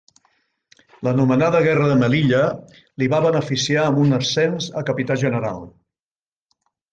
L'anomenada guerra de Melilla li va beneficiar amb un ascens a capità general.